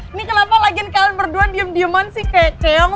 ini kenapa lagiin kalian berdua diem dieman sih kayak keong